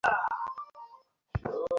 এমন না যে, তুমি রাষ্ট্রপতি।